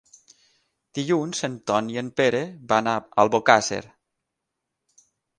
Dilluns en Ton i en Pere van a Albocàsser.